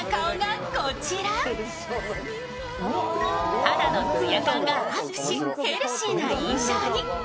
肌のつや感がアップし、ヘルシーな印象に。